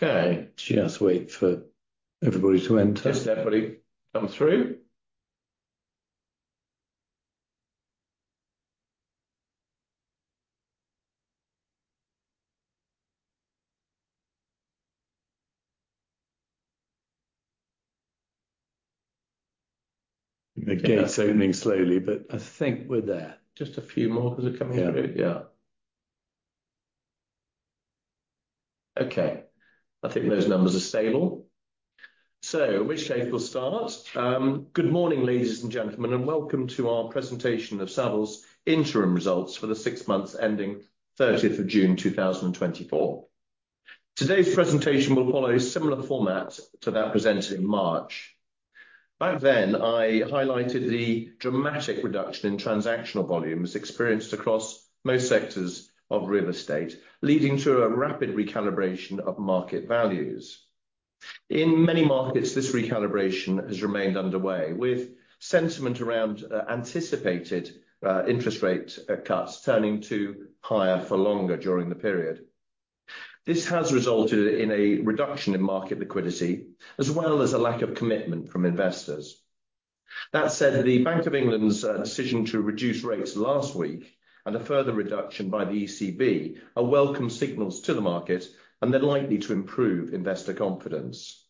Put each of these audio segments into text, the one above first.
Okay, just wait for everybody to enter. Yes, everybody come through. The gate's opening slowly, but I think we're there. Just a few more that are coming through. Yeah, yeah. Okay, I think those numbers are stable. So with that, we'll start. Good morning, ladies and gentlemen, and welcome to our presentation of Savills' interim results for the six months ending 30th of June 2024. Today's presentation will follow a similar format to that presented in March. Back then, I highlighted the dramatic reduction in transactional volumes experienced across most sectors of real estate, leading to a rapid recalibration of market values. In many markets, this recalibration has remained underway, with sentiment around anticipated interest rate cuts turning to higher for longer during the period. This has resulted in a reduction in market liquidity, as well as a lack of commitment from investors. That said, the Bank of England's decision to reduce rates last week, and a further reduction by the ECB, are welcome signals to the market, and they're likely to improve investor confidence.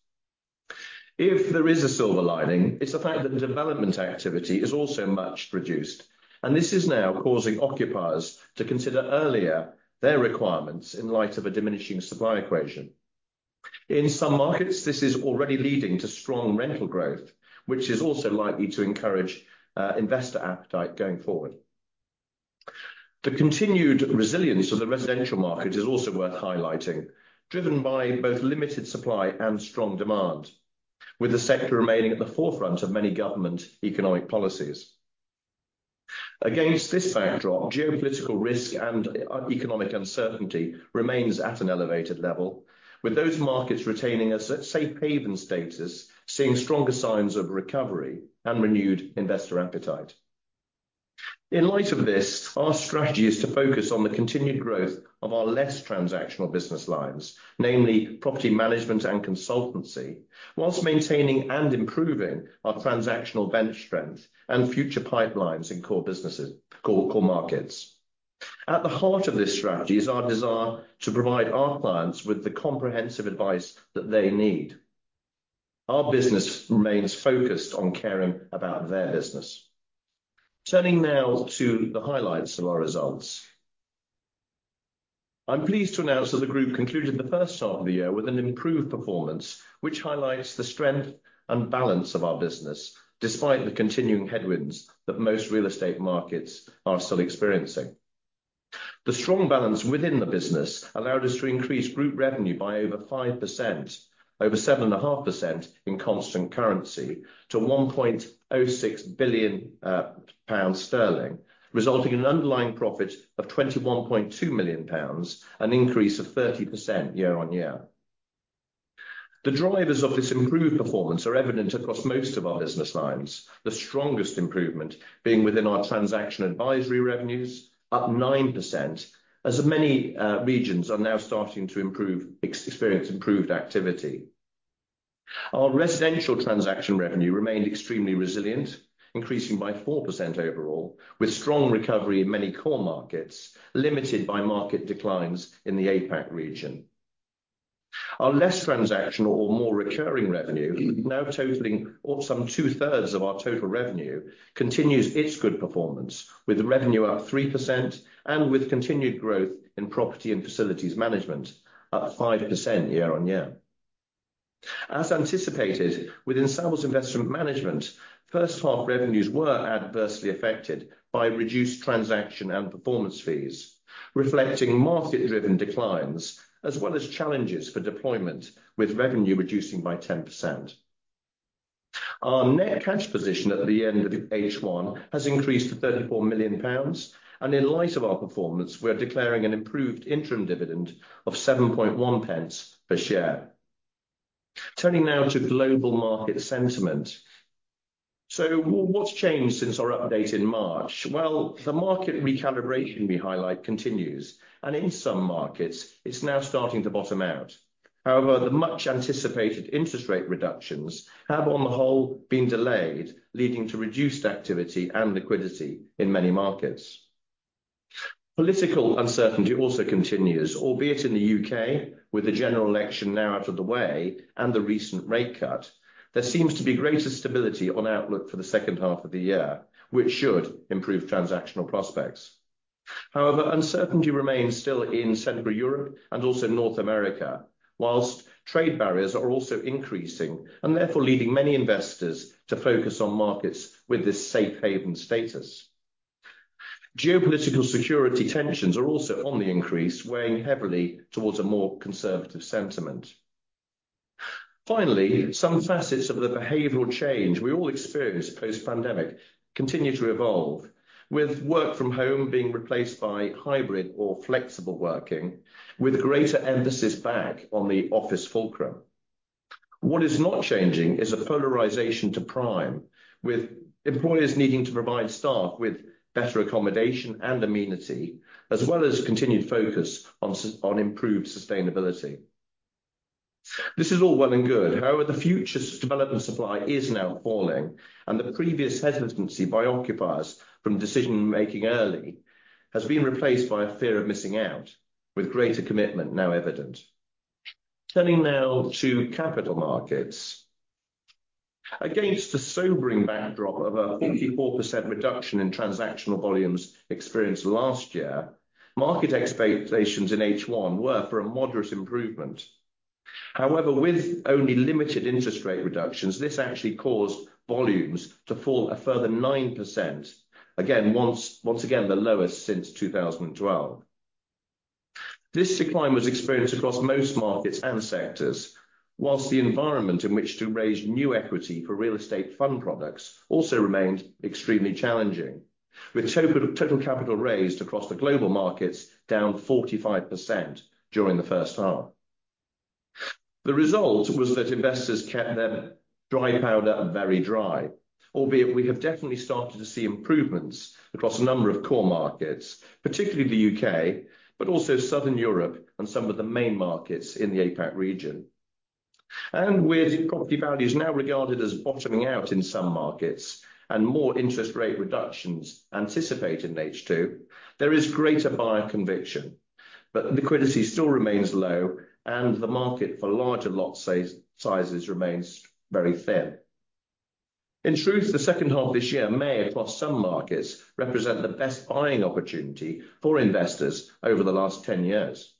If there is a silver lining, it's the fact that the development activity is also much reduced, and this is now causing occupiers to consider earlier their requirements in light of a diminishing supply equation. In some markets, this is already leading to strong rental growth, which is also likely to encourage investor appetite going forward. The continued resilience of the residential market is also worth highlighting, driven by both limited supply and strong demand, with the sector remaining at the forefront of many government economic policies. Against this backdrop, geopolitical risk and economic uncertainty remains at an elevated level, with those markets retaining a safe haven status, seeing stronger signs of recovery and renewed investor appetite. In light of this, our strategy is to focus on the continued growth of our less transactional business lines, namely property management and consultancy, whilst maintaining and improving our transactional bench strength and future pipelines in core businesses, core markets. At the heart of this strategy is our desire to provide our clients with the comprehensive advice that they need. Our business remains focused on caring about their business. Turning now to the highlights of our results. I'm pleased to announce that the group concluded the first half of the year with an improved performance, which highlights the strength and balance of our business, despite the continuing headwinds that most real estate markets are still experiencing. The strong balance within the business allowed us to increase group revenue by over 5%, over 7.5% in constant currency, to 1.06 billion sterling, resulting in underlying profit of 21.2 million pounds, an increase of 30% year-on-year. The drivers of this improved performance are evident across most of our business lines, the strongest improvement being within our transaction advisory revenues, up 9%, as many regions are now starting to experience improved activity. Our residential transaction revenue remained extremely resilient, increasing by 4% overall, with strong recovery in many core markets, limited by market declines in the APAC region. Our less transactional or more recurring revenue, now totaling or some two-thirds of our total revenue, continues its good performance, with revenue up 3% and with continued growth in property and facilities management up 5% year-on-year. As anticipated, within Savills Investment Management, first half revenues were adversely affected by reduced transaction and performance fees, reflecting market-driven declines, as well as challenges for deployment, with revenue reducing by 10%. Our net cash position at the end of H1 has increased to 34 million pounds, and in light of our performance, we're declaring an improved interim dividend of 7.1 pence per share. Turning now to global market sentiment. So what's changed since our update in March? Well, the market recalibration we highlight continues, and in some markets, it's now starting to bottom out. However, the much-anticipated interest rate reductions have, on the whole, been delayed, leading to reduced activity and liquidity in many markets. Political uncertainty also continues, albeit in the U.K., with the general election now out of the way and the recent rate cut. There seems to be greater stability on outlook for the second half of the year, which should improve transactional prospects. However, uncertainty remains still in Central Europe and also North America, whilst trade barriers are also increasing and therefore leading many investors to focus on markets with this safe haven status. Geopolitical security tensions are also on the increase, weighing heavily towards a more conservative sentiment. Finally, some facets of the behavioral change we all experienced post-pandemic continue to evolve, with work from home being replaced by hybrid or flexible working, with greater emphasis back on the office fulcrum. What is not changing is a polarization to prime, with employers needing to provide staff with better accommodation and amenity, as well as continued focus on improved sustainability. This is all well and good, however, the future development supply is now falling, and the previous hesitancy by occupiers from decision-making early has been replaced by a fear of missing out, with greater commitment now evident. Turning now to capital markets. Against a sobering backdrop of a 44% reduction in transactional volumes experienced last year, market expectations in H1 were for a moderate improvement. However, with only limited interest rate reductions, this actually caused volumes to fall a further 9%. Once again, the lowest since 2012. This decline was experienced across most markets and sectors, while the environment in which to raise new equity for real estate fund products also remained extremely challenging, with total capital raised across the global markets down 45% during the first half. The result was that investors kept their dry powder very dry, albeit we have definitely started to see improvements across a number of core markets, particularly the UK, but also Southern Europe and some of the main markets in the APAC region. And with property values now regarded as bottoming out in some markets and more interest rate reductions anticipated in H2, there is greater buyer conviction, but liquidity still remains low and the market for larger lot sizes remains very thin. In truth, the second half this year may, across some markets, represent the best buying opportunity for investors over the last 10 years.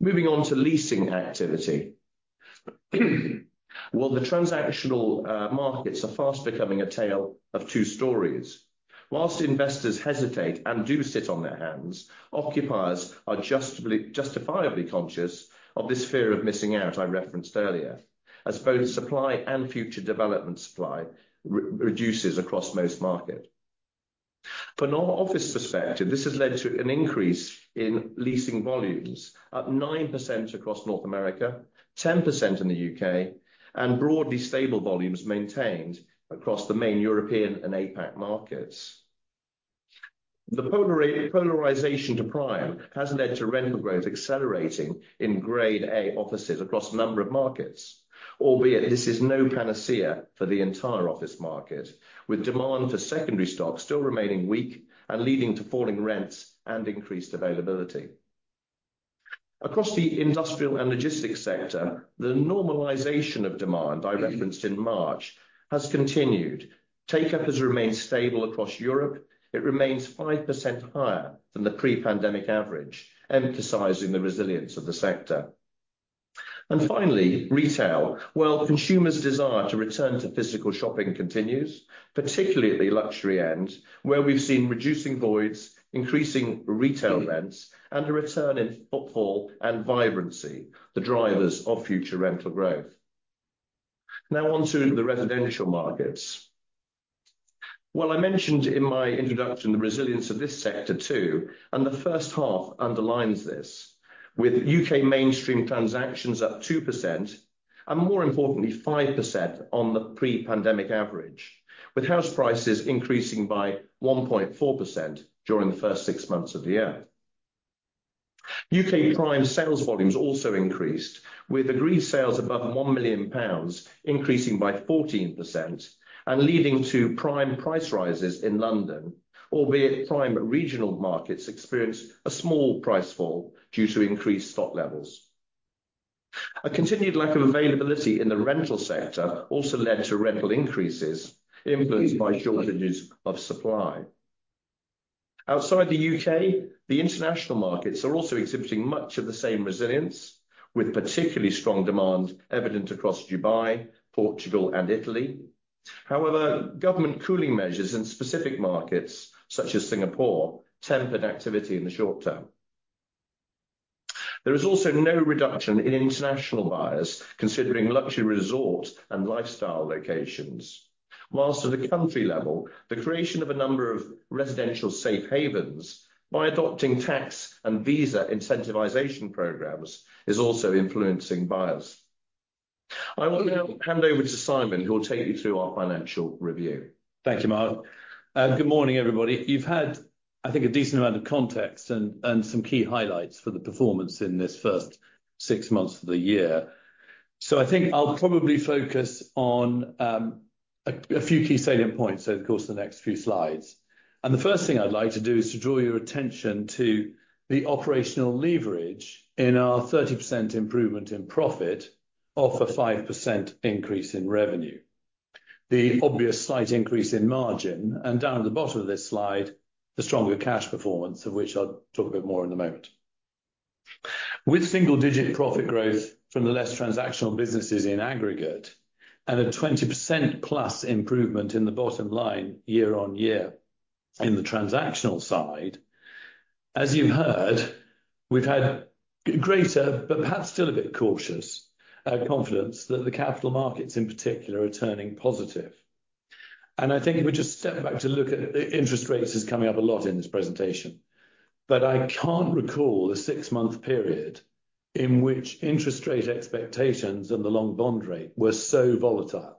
Moving on to leasing activity. Well, the transactional markets are fast becoming a tale of two stories. While investors hesitate and do sit on their hands, occupiers are justifiably conscious of this fear of missing out, I referenced earlier, as both supply and future development supply reduces across most markets. For an office perspective, this has led to an increase in leasing volumes up 9% across North America, 10% in the U.K., and broadly stable volumes maintained across the main European and APAC markets. The polarization to prime has led to rental growth accelerating in rade A offices across a number of markets, albeit this is no panacea for the entire office market, with demand for secondary stock still remaining weak and leading to falling rents and increased availability. Across the industrial and logistics sector, the normalization of demand I referenced in March has continued. Take-up has remained stable across Europe. It remains 5% higher than the pre-pandemic average, emphasizing the resilience of the sector. And finally, retail. Well, consumers' desire to return to physical shopping continues, particularly at the luxury end, where we've seen reducing voids, increasing retail rents, and a return in footfall and vibrancy, the drivers of future rental growth. Now on to the residential markets. Well, I mentioned in my introduction the resilience of this sector, too, and the first half underlines this, with UK mainstream transactions up 2%, and more importantly, 5% on the pre-pandemic average, with house prices increasing by 1.4% during the first six months of the year. UK prime sales volumes also increased, with agreed sales above 1 million pounds increasing by 14% and leading to prime price rises in London, albeit prime regional markets experienced a small price fall due to increased stock levels. A continued lack of availability in the rental sector also led to rental increases influenced by shortages of supply. Outside the UK, the international markets are also exhibiting much of the same resilience, with particularly strong demand evident across Dubai, Portugal and Italy. However, government cooling measures in specific markets, such as Singapore, tempered activity in the short term. There is also no reduction in international buyers considering luxury resort and lifestyle locations. Whilst at the country level, the creation of a number of residential safe havens by adopting tax and visa incentivization programs is also influencing buyers. I will now hand over to Simon, who will take you through our financial review. Thank you, Mark. Good morning, everybody. You've had, I think, a decent amount of context and some key highlights for the performance in this first 6 months of the year. So I think I'll probably focus on a few key salient points over the course of the next few slides. The first thing I'd like to do is to draw your attention to the operational leverage in our 30% improvement in profit, off a 5% increase in revenue. The obvious slight increase in margin, and down at the bottom of this slide, the stronger cash performance, of which I'll talk a bit more in a moment. With single-digit profit growth from the less transactional businesses in aggregate, and a 20%+ improvement in the bottom line year-on-year in the transactional side, as you heard, we've had greater, but perhaps still a bit cautious, confidence that the capital markets in particular are turning positive. And I think if we just step back to look at interest rates is coming up a lot in this presentation, but I can't recall the six-month period in which interest rate expectations and the long bond rate were so volatile.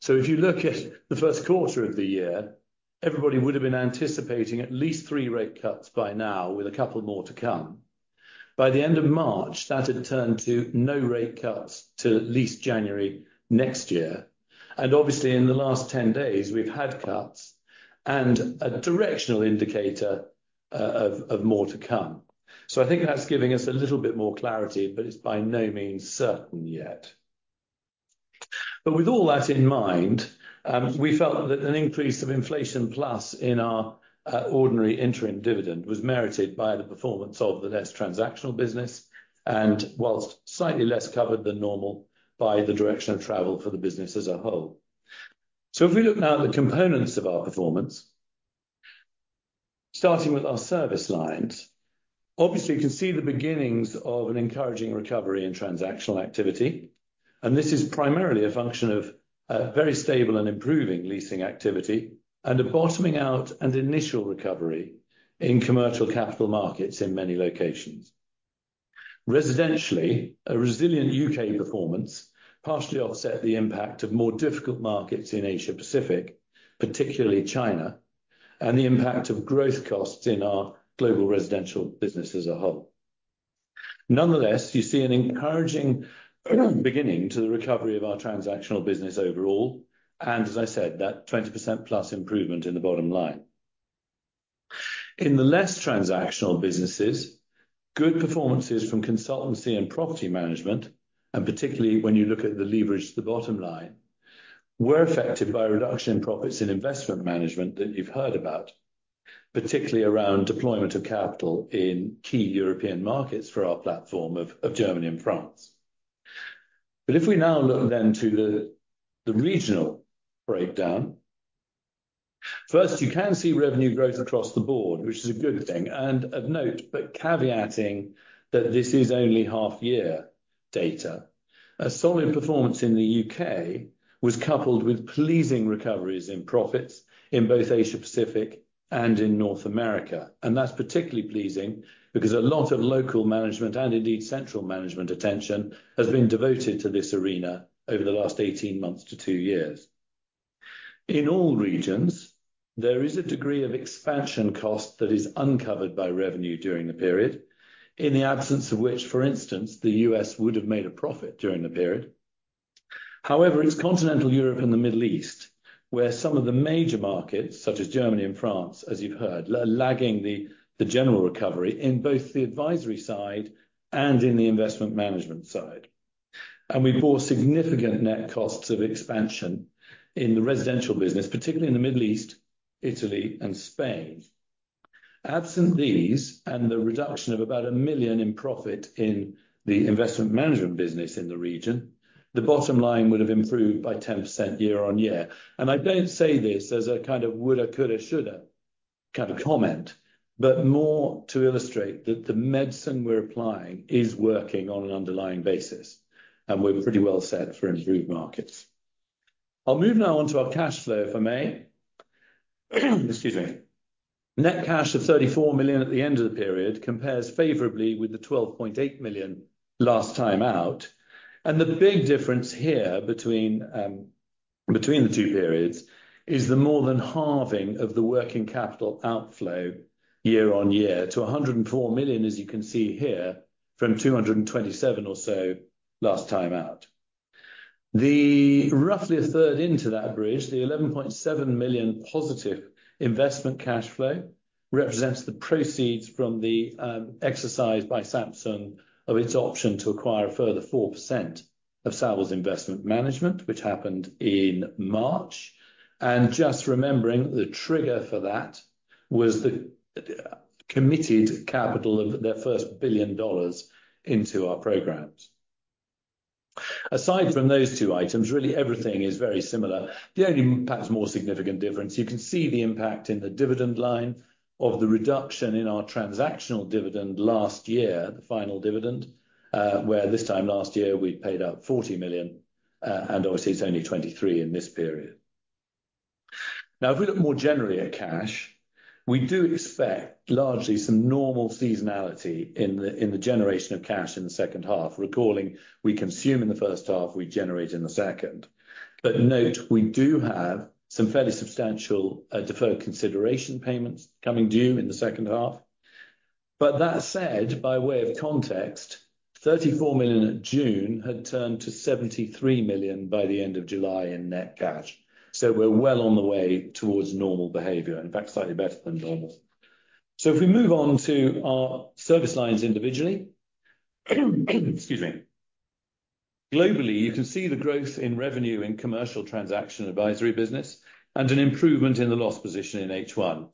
So if you look at the first quarter of the year, everybody would have been anticipating at least 3 rate cuts by now, with a couple more to come. By the end of March, that had turned to no rate cuts till at least January next year, and obviously, in the last 10 days, we've had cuts and a directional indicator of more to come. So I think that's giving us a little bit more clarity, but it's by no means certain yet. But with all that in mind, we felt that an increase of inflation plus in our ordinary interim dividend was merited by the performance of the less transactional business, and while slightly less covered than normal by the direction of travel for the business as a whole. So if we look now at the components of our performance, starting with our service lines, obviously, you can see the beginnings of an encouraging recovery in transactional activity, and this is primarily a function of very stable and improving leasing activity and a bottoming out and initial recovery in commercial capital markets in many locations. Residentially, a resilient UK performance partially offset the impact of more difficult markets in Asia Pacific, particularly China, and the impact of growth costs in our global residential business as a whole. Nonetheless, you see an encouraging beginning to the recovery of our transactional business overall, and as I said, that 20%+ improvement in the bottom line. In the less transactional businesses, good performances from consultancy and property management, and particularly when you look at the leverage to the bottom line, were affected by a reduction in profits in investment management that you've heard about, particularly around deployment of capital in key European markets for our platform of Germany and France. But if we now look then to the regional breakdown, first, you can see revenue growth across the board, which is a good thing and of note, but caveating that this is only half year data. A solid performance in the U.K. was coupled with pleasing recoveries in profits in both Asia Pacific and in North America, and that's particularly pleasing because a lot of local management and indeed, central management attention, has been devoted to this arena over the last 18 months to two years. In all regions, there is a degree of expansion cost that is uncovered by revenue during the period, in the absence of which, for instance, the U.S. would have made a profit during the period. However, it's continental Europe and the Middle East, where some of the major markets, such as Germany and France, as you've heard, are lagging the general recovery in both the advisory side and in the investment management side. We bore significant net costs of expansion in the residential business, particularly in the Middle East, Italy, and Spain. Absent these, and the reduction of about 1 million in profit in the investment management business in the region, the bottom line would have improved by 10% year-on-year. I don't say this as a kind of woulda, coulda, shoulda kind of comment, but more to illustrate that the medicine we're applying is working on an underlying basis, and we're pretty well set for improved markets. I'll move now on to our cash flow, if I may. Excuse me. Net cash of 34 million at the end of the period compares favorably with the 12.8 million last time out, and the big difference here between between the two periods is the more than halving of the working capital outflow year-over-year to 104 million, as you can see here, from 227 or so last time out. The roughly a third into that bridge, the 11.7 million positive investment cash flow, represents the proceeds from the exercise by Samsung of its option to acquire a further 4% of Savills Investment Management, which happened in March. And just remembering, the trigger for that was the committed capital of their $1 billion into our programs. Aside from those two items, really everything is very similar. The only perhaps more significant difference, you can see the impact in the dividend line of the reduction in our transactional dividend last year, the final dividend, where this time last year, we paid out 40 million, and obviously, it's only 23 million in this period. Now, if we look more generally at cash, we do expect largely some normal seasonality in the generation of cash in the second half, recalling we consume in the first half, we generate in the second. But note, we do have some fairly substantial deferred consideration payments coming due in the second half. But that said, by way of context, 34 million at June had turned to 73 million by the end of July in net cash. So we're well on the way towards normal behavior, in fact, slightly better than normal. So if we move on to our service lines individually. Excuse me. Globally, you can see the growth in revenue in commercial transaction advisory business and an improvement in the loss position in H1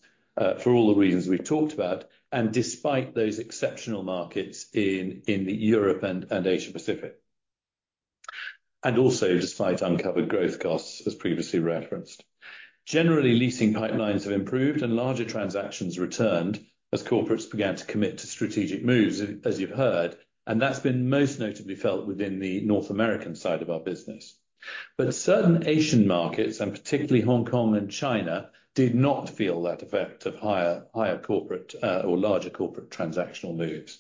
for all the reasons we've talked about, and despite those exceptional markets in Europe and Asia Pacific. Also despite uncovered growth costs, as previously referenced. Generally, leasing pipelines have improved and larger transactions returned as corporates began to commit to strategic moves, as you've heard, and that's been most notably felt within the North American side of our business. But certain Asian markets, and particularly Hong Kong and China, did not feel that effect of higher, higher corporate, or larger corporate transactional moves.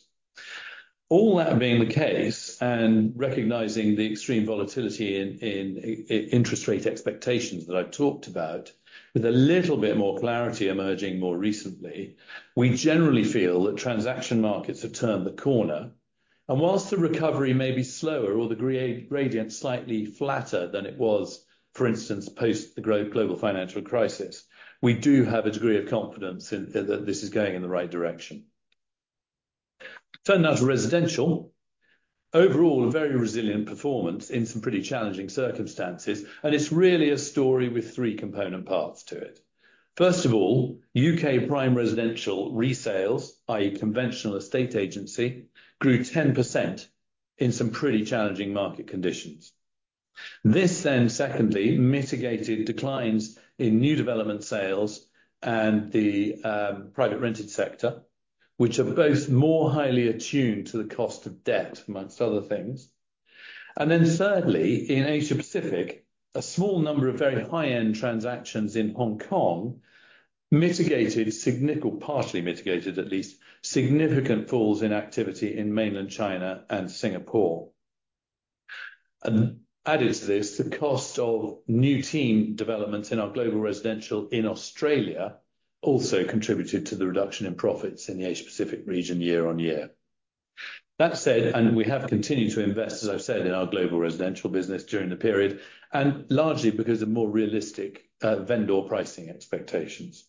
All that being the case, and recognizing the extreme volatility in interest rate expectations that I've talked about, with a little bit more clarity emerging more recently, we generally feel that transaction markets have turned the corner. And whilst the recovery may be slower or the gradient slightly flatter than it was, for instance, post the global financial crisis, we do have a degree of confidence in that this is going in the right direction. Turning now to residential. Overall, a very resilient performance in some pretty challenging circumstances, and it's really a story with three component parts to it. First of all, UK prime residential resales, i.e., conventional estate agency, grew 10% in some pretty challenging market conditions. This then, secondly, mitigated declines in new development sales and the private rented sector, which are both more highly attuned to the cost of debt, among other things. And then thirdly, in Asia Pacific, a small number of very high-end transactions in Hong Kong mitigated significant or partially mitigated, at least, significant falls in activity in mainland China and Singapore. And added to this, the cost of new team developments in our global residential in Australia also contributed to the reduction in profits in the Asia Pacific region year-on-year. That said, we have continued to invest, as I've said, in our global residential business during the period, and largely because of more realistic vendor pricing expectations.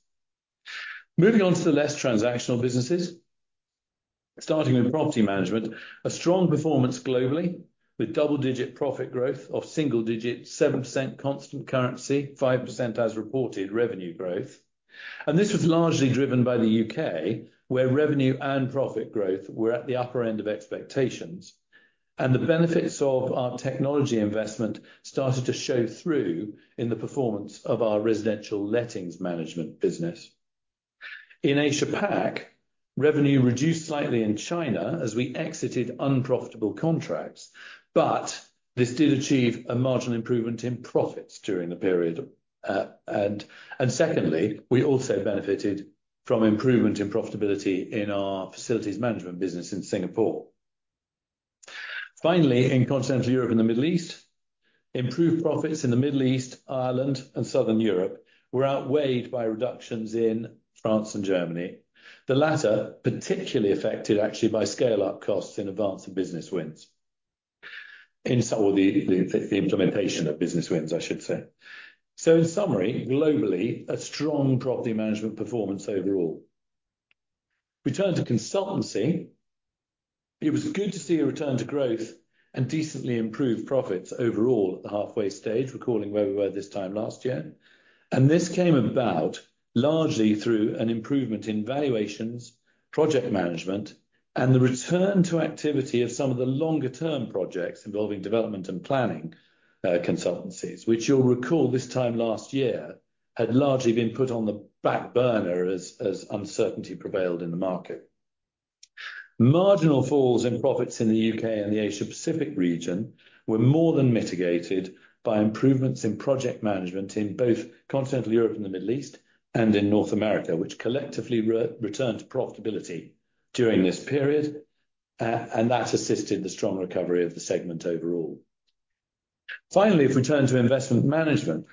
Moving on to the less transactional businesses, starting with property management, a strong performance globally, with double-digit profit growth of single-digit 7% constant currency, 5% as reported revenue growth. And this was largely driven by the UK, where revenue and profit growth were at the upper end of expectations, and the benefits of our technology investment started to show through in the performance of our residential lettings management business. In Asia Pac, revenue reduced slightly in China as we exited unprofitable contracts, but this did achieve a marginal improvement in profits during the period. And secondly, we also benefited from improvement in profitability in our facilities management business in Singapore. Finally, in continental Europe and the Middle East, improved profits in the Middle East, Ireland, and Southern Europe were outweighed by reductions in France and Germany. The latter particularly affected actually by scale-up costs in advance of business wins. In some of the implementation of business wins, I should say. So in summary, globally, a strong property management performance overall. We turn to consultancy. It was good to see a return to growth and decently improved profits overall at the halfway stage, recalling where we were this time last year. And this came about largely through an improvement in valuations, project management, and the return to activity of some of the longer term projects involving development and planning, consultancies, which you'll recall this time last year, had largely been put on the back burner as uncertainty prevailed in the market. Marginal falls in profits in the UK and the Asia Pacific region were more than mitigated by improvements in project management in both continental Europe and the Middle East and in North America, which collectively returned to profitability during this period, and that assisted the strong recovery of the segment overall. Finally, if we turn to investment management,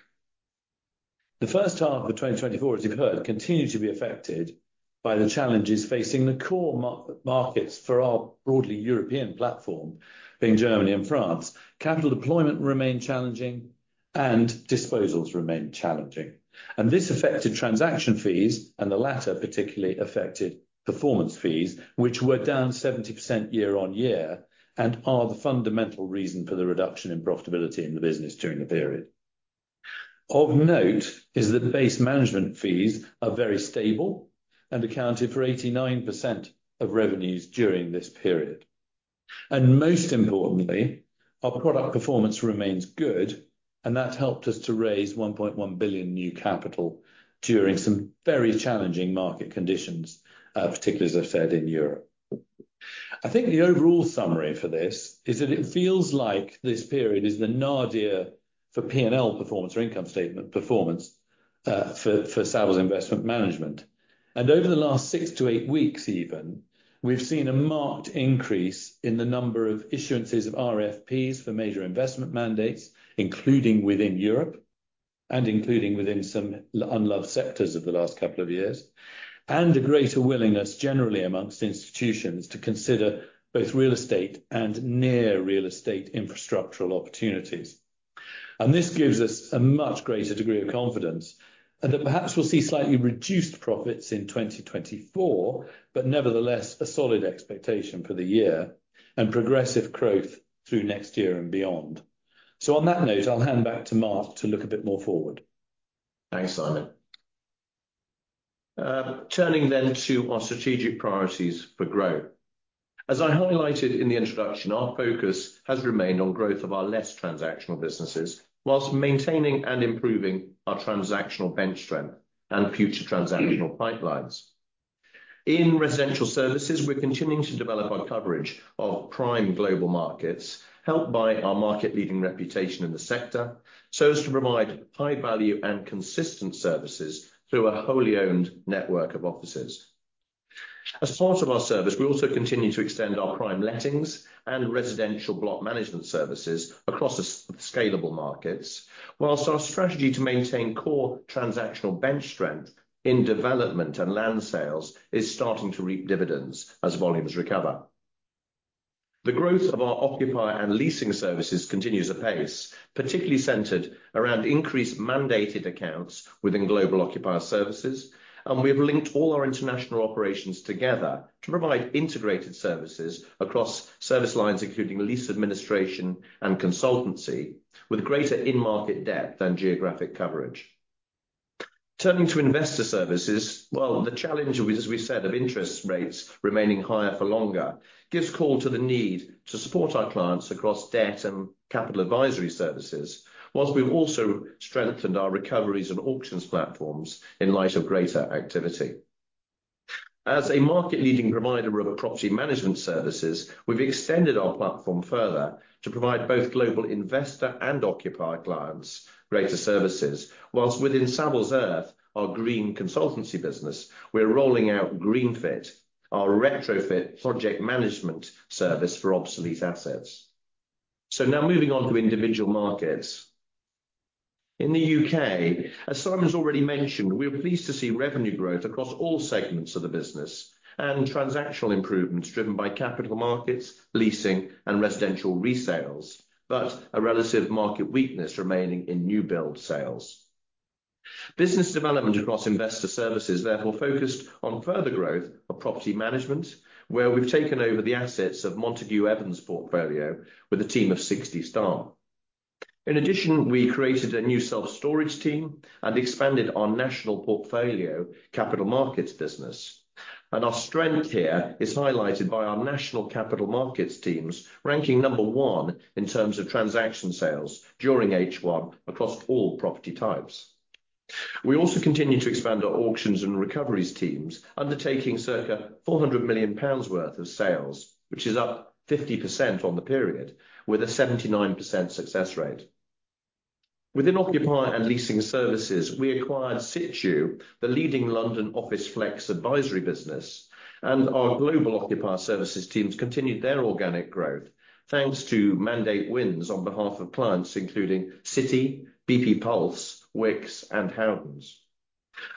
the first half of 2024, as you've heard, continued to be affected by the challenges facing the core markets for our broadly European platform, being Germany and France. Capital deployment remained challenging, and disposals remained challenging. And this affected transaction fees, and the latter particularly affected performance fees, which were down 70% year-on-year and are the fundamental reason for the reduction in profitability in the business during the period. Of note is that base management fees are very stable and accounted for 89% of revenues during this period. And most importantly, our product performance remains good, and that helped us to raise 1.1 billion new capital during some very challenging market conditions, particularly, as I've said, in Europe. I think the overall summary for this is that it feels like this period is the nadir for P&L performance or income statement performance, for, for Savills Investment Management. And over the last six to eight weeks even, we've seen a marked increase in the number of issuances of RFPs for major investment mandates, including within Europe and including within some unloved sectors of the last couple of years, and a greater willingness generally amongst institutions to consider both real estate and near real estate infrastructural opportunities. And this gives us a much greater degree of confidence, and that perhaps we'll see slightly reduced profits in 2024, but nevertheless, a solid expectation for the year and progressive growth through next year and beyond. So on that note, I'll hand back to Mark to look a bit more forward. Thanks, Simon. Turning then to our strategic priorities for growth. As I highlighted in the introduction, our focus has remained on growth of our less transactional businesses, while maintaining and improving our transactional bench strength and future transactional pipelines. In Residential Services, we're continuing to develop our coverage of prime global markets, helped by our market-leading reputation in the sector, so as to provide high value and consistent services through a wholly owned network of offices. As part of our service, we also continue to extend our prime lettings and residential block management services across the scalable markets, while our strategy to maintain core transactional bench strength in development and land sales is starting to reap dividends as volumes recover. The growth of our occupier and leasing services continues apace, particularly centered around increased mandated accounts within Global Occupier Services, and we have linked all our international operations together to provide integrated services across service lines, including lease administration and consultancy, with greater in-market depth than geographic coverage. Turning to Investor Services, well, the challenge, as we said, of interest rates remaining higher for longer, gives call to the need to support our clients across debt and capital advisory services, whilst we've also strengthened our recoveries and auctions platforms in light of greater activity. As a market-leading provider of property management services, we've extended our platform further to provide both global investor and occupier clients greater services, whilst within Savills Earth, our green consultancy business, we're rolling out GreenFit, our retrofit project management service for obsolete assets. Now moving on to individual markets. In the UK, as Simon's already mentioned, we were pleased to see revenue growth across all segments of the business, and transactional improvements driven by capital markets, leasing, and residential resales, but a relative market weakness remaining in new build sales. Business development across Investor Services therefore focused on further growth of property management, where we've taken over the assets of Montagu Evans portfolio with a team of sixty staff. In addition, we created a new self-storage team and expanded our national portfolio capital markets business. Our strength here is highlighted by our national capital markets teams, ranking number one in terms of transaction sales during H1 across all property types. We also continue to expand our auctions and recoveries teams, undertaking circa 400 million pounds worth of sales, which is up 50% on the period, with a 79% success rate. Within occupier and leasing services, we acquired Situu, the leading London office flex advisory business, and our global occupier services teams continued their organic growth, thanks to mandate wins on behalf of clients, including City, BP Pulse, Wickes, and Howdens.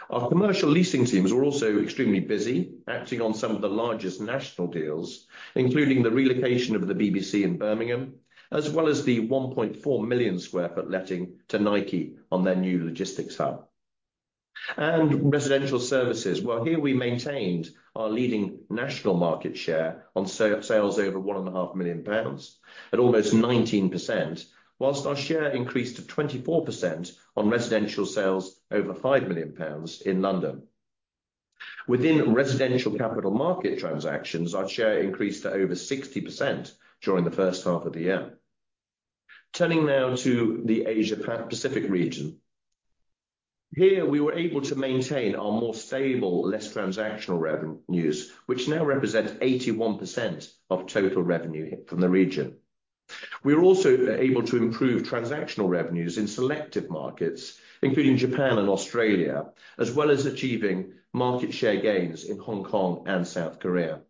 Our commercial leasing teams were also extremely busy, acting on some of the largest national deals, including the relocation of the BBC in Birmingham, as well as the 1.4 million sq ft letting to Nike on their new logistics hub. Residential services, well, here we maintained our leading national market share on sales over 1.5 million pounds at almost 19%, while our share increased to 24% on residential sales over 5 million pounds in London. Within residential capital market transactions, our share increased to over 60% during the first half of the year. Turning now to the Asia Pacific region. Here, we were able to maintain our more stable, less transactional revenues, which now represent 81% of total revenue from the region. We were also able to improve transactional revenues in selective markets, including Japan and Australia, as well as achieving market share gains in Hong Kong and South Korea.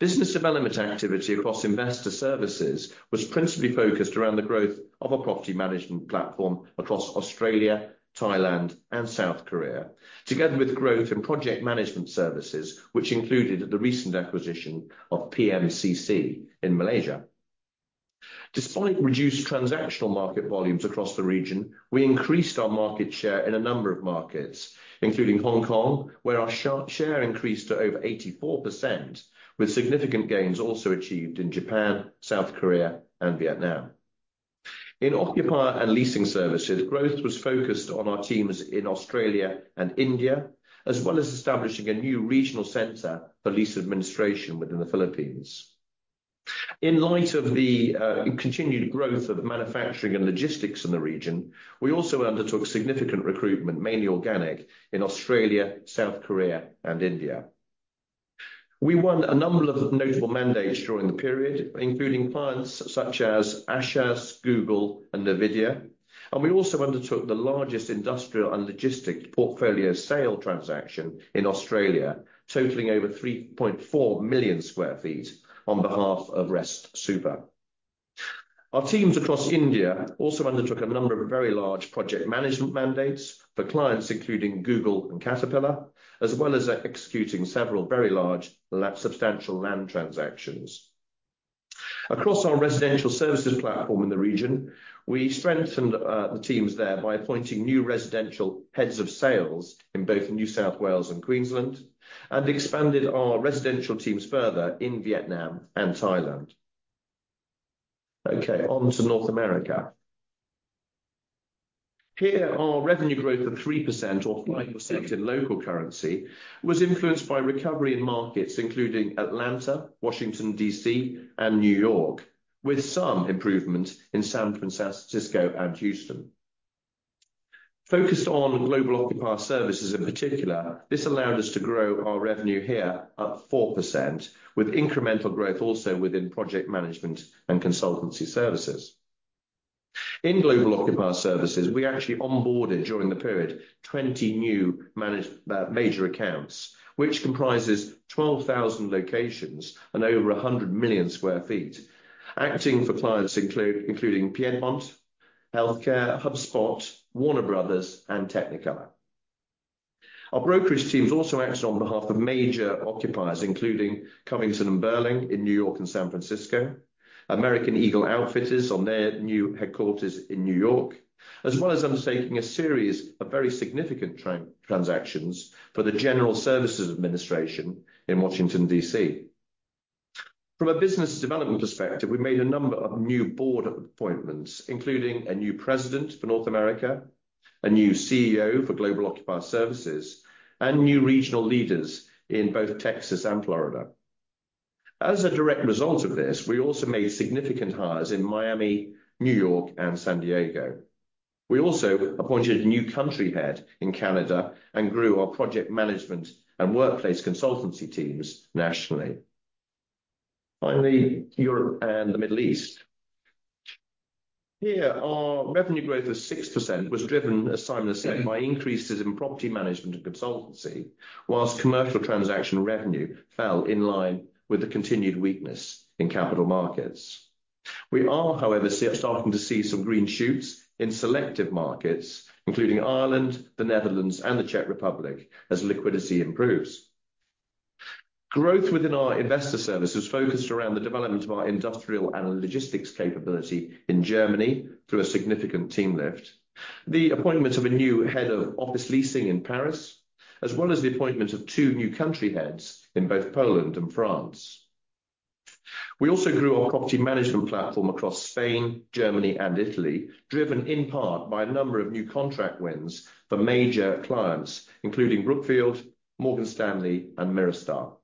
Business development activity across investor services was principally focused around the growth of our property management platform across Australia, Thailand, and South Korea, together with growth in project management services, which included the recent acquisition of PMCC in Malaysia. Despite reduced transactional market volumes across the region, we increased our market share in a number of markets, including Hong Kong, where our share increased to over 84%, with significant gains also achieved in Japan, South Korea, and Vietnam. In occupier and leasing services, growth was focused on our teams in Australia and India, as well as establishing a new regional center for lease administration within the Philippines. In light of the continued growth of manufacturing and logistics in the region, we also undertook significant recruitment, mainly organic, in Australia, South Korea, and India. We won a number of notable mandates during the period, including clients such as Asus, Google, and Nvidia, and we also undertook the largest industrial and logistic portfolio sale transaction in Australia, totaling over 3.4 million sq ft on behalf of Rest Super. Our teams across India also undertook a number of very large project management mandates for clients, including Google and Caterpillar, as well as executing several very large substantial land transactions. Across our residential services platform in the region, we strengthened the teams there by appointing new residential heads of sales in both New South Wales and Queensland, and expanded our residential teams further in Vietnam and Thailand. Okay, on to North America. Here, our revenue growth of 3% or 5% in local currency was influenced by recovery in markets including Atlanta, Washington, D.C., and New York, with some improvement in San Francisco and Houston. Focused on global occupier services in particular, this allowed us to grow our revenue here up 4%, with incremental growth also within project management and consultancy services. In global occupier services, we actually onboarded, during the period, 20 new major accounts, which comprises 12,000 locations and over 100 million sq ft, acting for clients including Piedmont Healthcare, HubSpot, Warner Bros., and Technicolor. Our brokerage teams also acted on behalf of major occupiers, including Covington & Burling in New York and San Francisco, American Eagle Outfitters on their new headquarters in New York, as well as undertaking a series of very significant transactions for the General Services Administration in Washington, D.C. From a business development perspective, we made a number of new board appointments, including a new president for North America, a new CEO for Global Occupier Services, and new regional leaders in both Texas and Florida. As a direct result of this, we also made significant hires in Miami, New York, and San Diego. We also appointed a new country head in Canada and grew our project management and workplace consultancy teams nationally. Finally, Europe and the Middle East. Here, our revenue growth of 6% was driven, as Simon said, by increases in property management and consultancy, while commercial transaction revenue fell in line with the continued weakness in capital markets. We are, however, starting to see some green shoots in selective markets, including Ireland, the Netherlands, and the Czech Republic, as liquidity improves. Growth within our investor services focused around the development of our industrial and logistics capability in Germany through a significant team lift, the appointment of a new head of office leasing in Paris, as well as the appointment of two new country heads in both Poland and France. We also grew our property management platform across Spain, Germany and Italy, driven in part by a number of new contract wins for major clients, including Brookfield, Morgan Stanley and Mirastar.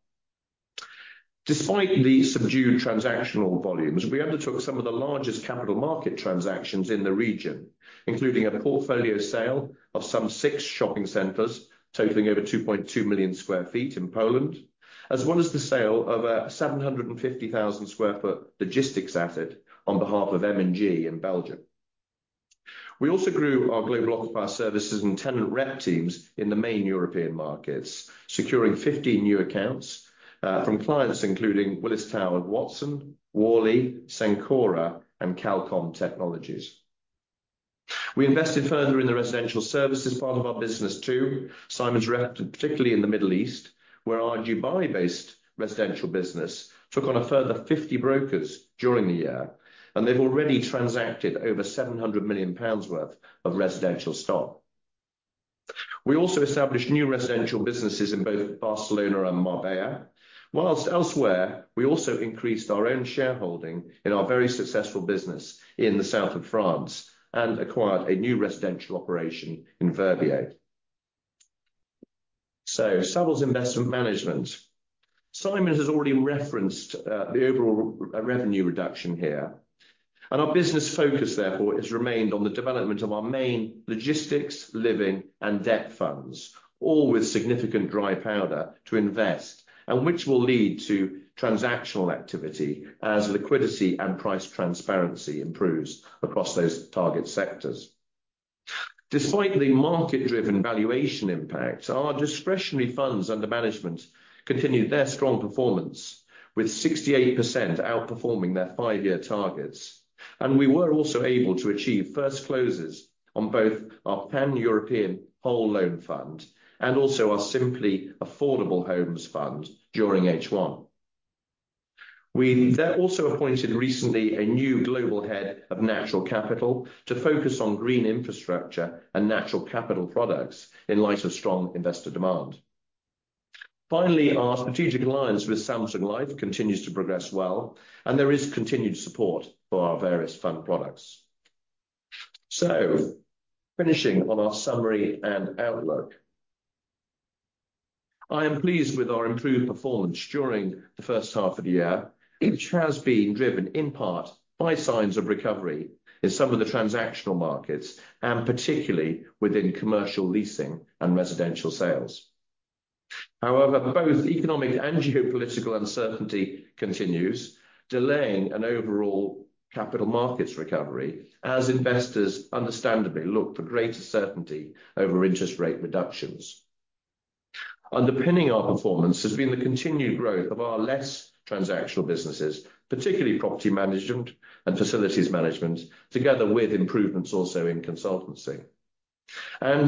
Despite the subdued transactional volumes, we undertook some of the largest capital market transactions in the region, including a portfolio sale of some 6 shopping centers, totaling over 2.2 million sq ft in Poland, as well as the sale of a 750,000 sq ft logistics asset on behalf of M&G in Belgium. We also grew our global occupier services and tenant rep teams in the main European markets, securing 15 new accounts from clients including Willis Towers Watson, Worley, Cencora, and Qualcomm Technologies. We invested further in the residential services part of our business, too. Simon's rep, particularly in the Middle East, where our Dubai-based residential business took on a further 50 brokers during the year, and they've already transacted over 700 million pounds worth of residential stock. We also established new residential businesses in both Barcelona and Marbella, while elsewhere, we also increased our own shareholding in our very successful business in the south of France and acquired a new residential operation in Verbier. So Savills Investment Management. Simon has already referenced the overall revenue reduction here, and our business focus, therefore, has remained on the development of our main logistics, living, and debt funds, all with significant dry powder to invest and which will lead to transactional activity as liquidity and price transparency improves across those target sectors. Despite the market-driven valuation impact, our discretionary funds under management continued their strong performance, with 68% outperforming their five-year targets. And we were also able to achieve first closes on both our Pan-European Whole Loan Fund and also our Simply Affordable Homes Fund during H1. We then also appointed recently a new global head of natural capital to focus on green infrastructure and natural capital products in light of strong investor demand. Finally, our strategic alliance with Samsung Life continues to progress well, and there is continued support for our various fund products. So finishing on our summary and outlook, I am pleased with our improved performance during the first half of the year, which has been driven in part by signs of recovery in some of the transactional markets, and particularly within commercial leasing and residential sales. However, both economic and geopolitical uncertainty continues, delaying an overall capital markets recovery as investors understandably look for greater certainty over interest rate reductions. Underpinning our performance has been the continued growth of our less transactional businesses, particularly property management and facilities management, together with improvements also in consultancy.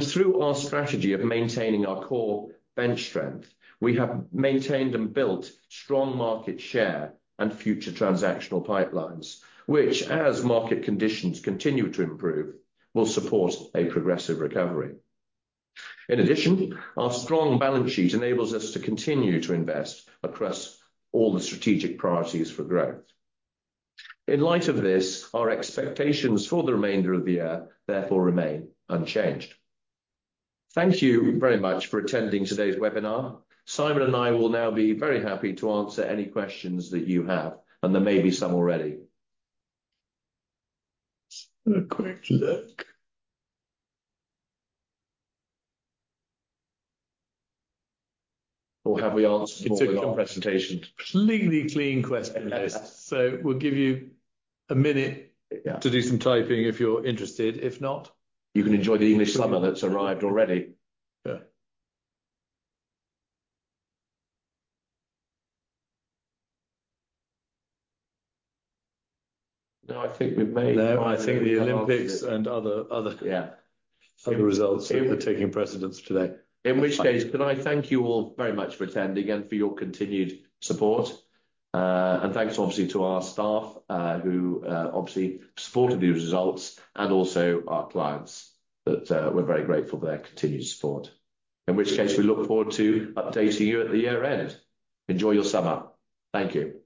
Through our strategy of maintaining our core bench strength, we have maintained and built strong market share and future transactional pipelines, which, as market conditions continue to improve, will support a progressive recovery. In addition, our strong balance sheet enables us to continue to invest across all the strategic priorities for growth. In light of this, our expectations for the remainder of the year therefore remain unchanged. Thank you very much for attending today's webinar. Simon and I will now be very happy to answer any questions that you have, and there may be some already. A quick look. Or have we answered all the- It's a good presentation. Completely clean question list. So we'll give you a minute- Yeah... to do some typing if you're interested. If not- You can enjoy the English summer that's arrived already. Yeah. No, I think we've made- No, I think the Olympics and other- Yeah... other results are taking precedence today. In which case, can I thank you all very much for attending and for your continued support? And thanks obviously to our staff, who obviously supported these results, and also our clients, that we're very grateful for their continued support. In which case, we look forward to updating you at the year-end. Enjoy your summer. Thank you.